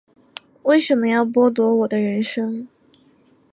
为什么要剥夺我的人生